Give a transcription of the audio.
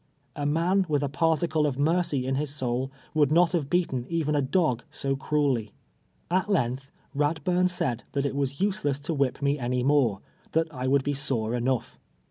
A man with a particle of mercy in his soul would not have beaten even a dog so cruelly. At length Eadbnrn said that it was useless to whip me any more — that I would be sore enough.